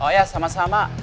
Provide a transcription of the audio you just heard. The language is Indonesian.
oh ya sama sama